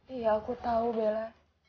iya aku tau bella